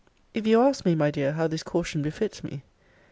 If you ask me, my dear, how this caution befits me?